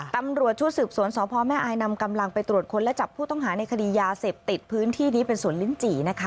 ตำรวจชุดสืบสวนสพแม่อายนำกำลังไปตรวจค้นและจับผู้ต้องหาในคดียาเสพติดพื้นที่นี้เป็นสวนลิ้นจี่นะคะ